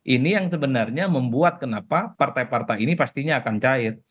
ini yang sebenarnya membuat kenapa partai partai ini pastinya akan cair